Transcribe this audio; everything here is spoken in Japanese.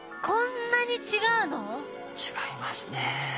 こんなに違うの？違いますね。